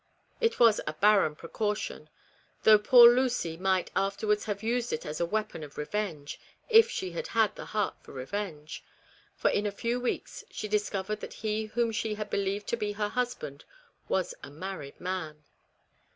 It was a barren precaution though poor Lucy might afterwards have used it as a weapon of revenge, if she had had the heart for revenge for in a few weeks she discovered that he whom she had believed to be her husband was a married man.